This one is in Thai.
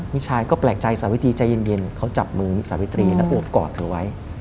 ผู้ชายก็แปลกใจสาวิตรีใจเย็นเขาจับมือสาวิตรีแล้วอวบกอดเธอไว้